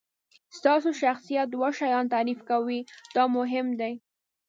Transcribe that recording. ستاسو شخصیت دوه شیان تعریف کوي دا مهم دي.